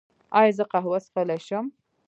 ایا زه قهوه څښلی شم؟